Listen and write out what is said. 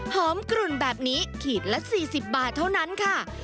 กลุ่นแบบนี้ขีดละ๔๐บาทเท่านั้นค่ะ